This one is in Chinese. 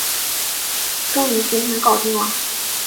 终于今天搞定了